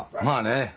まあね。